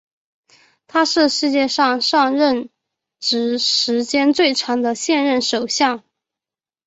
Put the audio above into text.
他是世界上任职时间最长的现任首相。